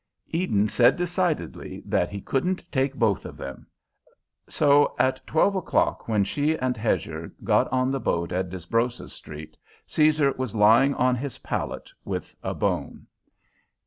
Eden said decidedly that he couldn't take both of them. So at twelve o'clock when she and Hedger got on the boat at Desbrosses street, Caesar was lying on his pallet, with a bone.